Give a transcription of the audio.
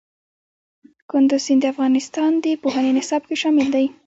کندز سیند د افغانستان د پوهنې نصاب کې شامل دي.